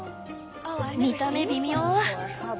見た目微妙。